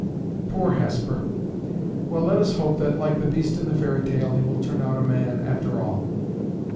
"Poor Hesper! Well! let us hope that, like the beast in the fairy tale, he will turn out a man after all."